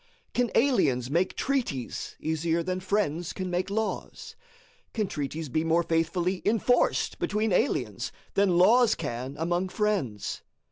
Can aliens make treaties easier than friends can make laws? Can treaties be more faithfully enforced between aliens than laws can among friends?